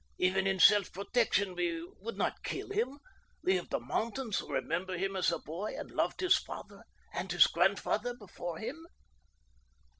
Even in self protection we would not kill him, we of the mountains who remember him as a boy and loved his father and his grandfather, before him.